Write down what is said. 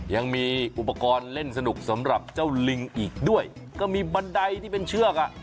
ยังมีอุปกรณ์เล่นสนุกสำหรับเจ้าลิงอีกด้วยก็มีบันไดที่เป็นเชือกอ่ะ